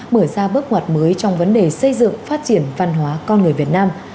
mở ra bước ngoặt mới trong vấn đề xây dựng phát triển văn hóa con người việt nam